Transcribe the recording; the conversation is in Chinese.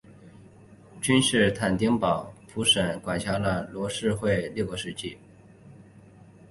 君士坦丁堡普世牧首其后管辖了罗斯教会六个世纪。